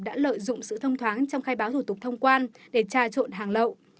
đã lợi dụng sự thông thoáng trong khai báo thủ tục thông quan để trà trộn hàng lậu